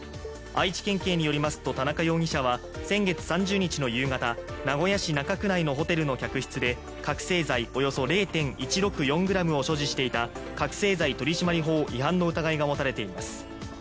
愛知県警によりますと田中容疑者は、先月３０日の夕方、名古屋市中区内のホテルの客室で覚醒剤およそ０．１６４ｇを所持していた覚醒剤取締法違反の疑いが持たれています。